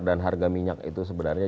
dan harga minyak itu